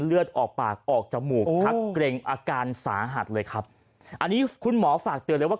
เลือดออกปากออกจมูกชักเกร็งอาการสาหัสเลยครับอันนี้คุณหมอฝากเตือนเลยว่า